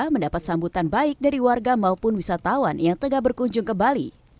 mendapat sambutan baik dari warga maupun wisatawan yang tengah berkunjung ke bali